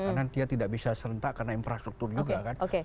karena dia tidak bisa serentak karena infrastruktur juga kan